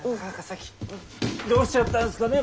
どうしちゃったんですかね